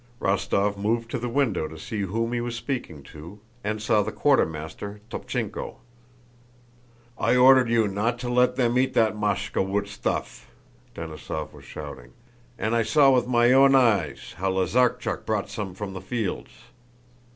Rostóv moved to the window to see whom he was speaking to, and saw the quartermaster, Topchéenko. "I ordered you not to let them eat that Máshka woot stuff!" Denísov was shouting. "And I saw with my own eyes how Lazarchúk bwought some fwom the fields."